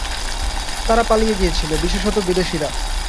তারা পালিয়ে গিয়েছিল, বিশেষত বিদেশীরা।